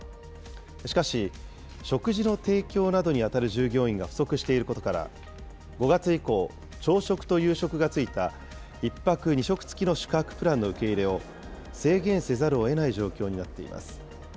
しかし、食事の提供などに当たる従業員が不足していることから、５月以降、朝食と夕食が付いた１泊２食付きの宿泊プランの受け入れを制限せざるをえない状況になっています。